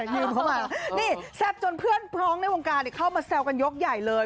ยืมเข้ามานี่แซ่บจนเพื่อนพร้อมในวงการเข้ามาแซวกันยกใหญ่เลย